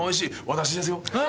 私ですよ。